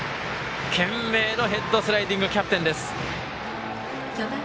懸命のヘッドスライディングキャプテンです。